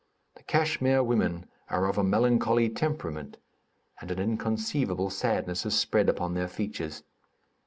The Kachmyr women are of a melancholy temperament, and an inconceivable sadness is spread upon their features.